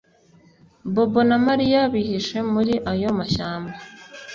Bobo na Mariya bihishe muri ayo mashyamba